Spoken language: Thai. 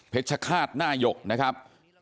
ชคาตหน้าหยกนะครับ